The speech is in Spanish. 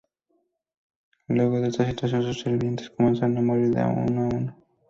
Luego de esta situación, sus sirvientes comenzaron a morir de a uno.